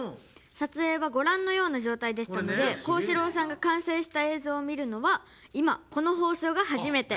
撮影は、ご覧のような状態でしたので皓志郎さんが完成した映像を見るのはこの放送が初めて。